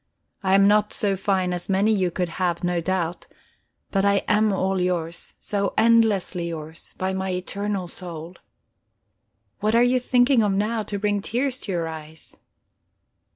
I'm not so fine as many you could have, no doubt, but I am all yours so endlessly yours, by my eternal soul. What are you thinking of now, to bring tears to your eyes?"